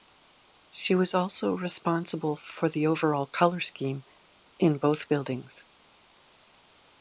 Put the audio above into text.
She was also responsible for the overall colour scheme in both buildings.